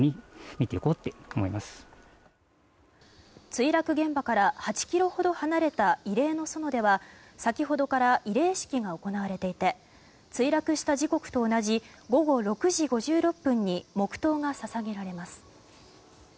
墜落現場から８ｋｍほど離れた慰霊の園では先ほどから慰霊式が行われていて墜落した時刻と同じ午後６時５６分に黙祷が捧げられます。